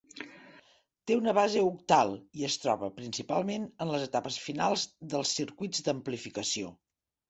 Té una base octal i es troba principalment en les etapes finals dels circuits d'amplificació.